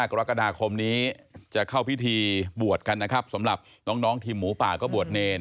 กรกฎาคมนี้จะเข้าพิธีบวชกันนะครับสำหรับน้องทีมหมูป่าก็บวชเนร